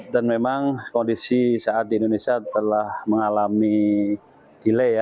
dan memang kondisi saat di indonesia telah mengalami delay